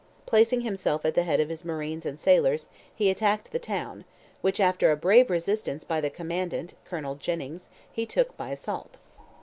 Placing himself at the head of his marines and sailors, he attacked the town, which, after a brave resistance by the commandant, Colonel Jennings, he took by assault.